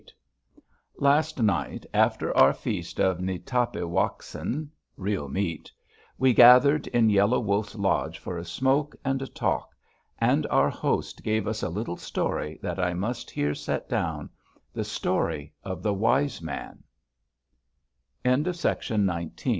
_ Last night, after our feast of ni tap´ i wak sin (real meat) we gathered in Yellow Wolf's lodge for a smoke and a talk, and our host gave us a little story that I must here set down, the story of THE WISE MAN "Here